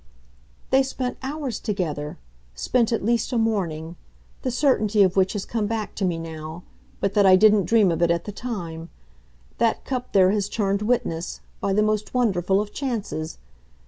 "They spent together hours spent at least a morning the certainty of which has come back to me now, but that I didn't dream of it at the time. That cup there has turned witness by the most wonderful of chances.